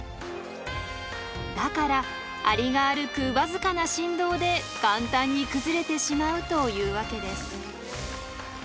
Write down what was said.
だからアリが歩く僅かな振動で簡単に崩れてしまうというわけです。